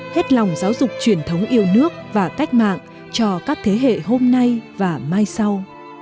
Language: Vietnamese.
hết lòng giáo dục truyền thống yêu nước và cách mạng cho các thế hệ hôm nay và mai sau